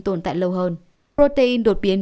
tồn tại lâu hơn protein đột biến